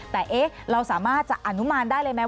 แต่เราสามารถจะอนุมานได้เลยไหม